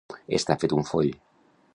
Estar fet un foll.